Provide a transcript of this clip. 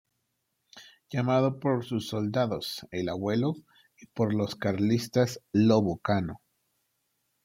Llamado por sus soldados ""el Abuelo"" y por los carlistas ""Lobo Cano"".